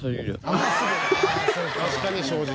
確かに正直。